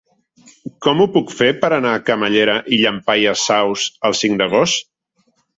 Com ho puc fer per anar a Camallera i Llampaies Saus el cinc d'agost?